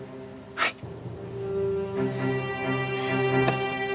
はい。